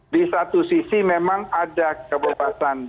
di satu sisi memang ada kebebasan